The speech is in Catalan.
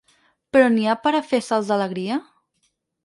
Però n’hi ha per a fer salts d’alegria?